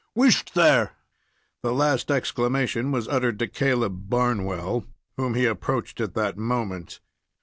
Whisht! there." The last exclamation was uttered to Caleb Barnwell, whom he approached at that moment.